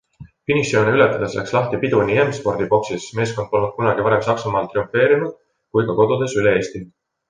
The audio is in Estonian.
Finišijoone ületades läks lahti pidu nii M-Sporti boksis -meeskond polnud kunagi varem Saksamaal triumfeerinud - kui ka kodudes üle Eesti.